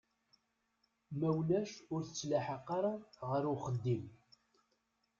Ma ulac ur tettelḥaq ara ɣer uxeddim.